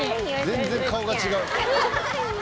全然顔が違う。